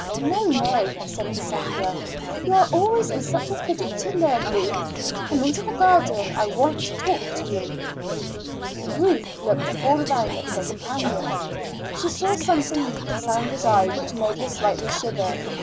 "No, no," said Cassandra. "You are always in such a fidget to learn, Ruth. Come into the garden; I want to talk to you." Ruth looked full round at her companion. She saw something in Cassandra's eye which made her slightly shiver.